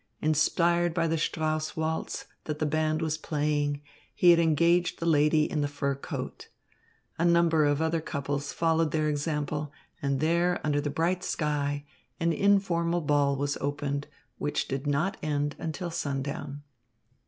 Inspired by the Strauss waltz that the band was playing he had engaged the lady in the fur coat. A number of other couples followed their example, and there, under the bright sky, an informal ball was opened, which did not end until sundown.